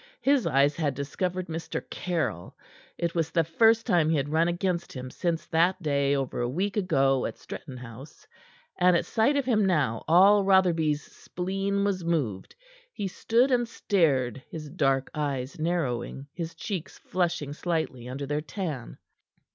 His eyes had discovered Mr. Caryll. It was the first time he had run against him since that day, over a week ago, at Stretton House, and at sight of him now all Rotherby's spleen was moved. He stood and stared, his dark eyes narrowing, his cheeks flushing slightly under their tan.